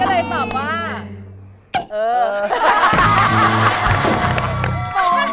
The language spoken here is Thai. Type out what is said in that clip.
ไม่แล้วทำไมจะต้องไปส่ง